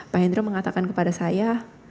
pak hendro mengatakan kepada saya